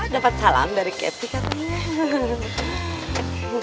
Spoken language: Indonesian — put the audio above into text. dapat salam dari kevi katanya